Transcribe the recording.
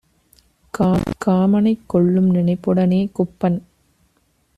காமனைக் கொல்லும் நினைப்புடனே - குப்பன்